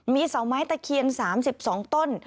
มีเสาไม้ตะเคียน๓๒ต้น